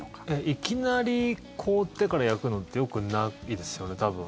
いきなり凍ってから焼くのってよくないですよね、多分。